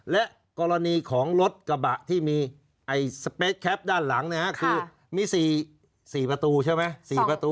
และกรณีของรถกระบะที่มีสเปคแคปด้านหลังคือมี๔ประตูใช่ไหม๔ประตู